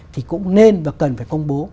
thì cũng nên và cần phải công bố